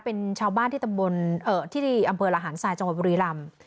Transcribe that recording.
เป็นชาวบ้านที่อำเภอหลาหารทรายจังหวัดบรีรำ